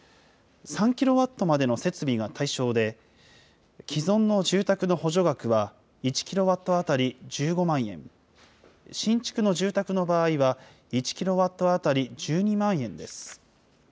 ３キロワットまでの設備が対象で、既存の住宅の補助額は、１キロワット当たり１５万円、新築の住宅の場合は１キロワット当たり１２万円です。